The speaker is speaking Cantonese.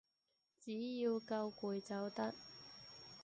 只要夠攰就得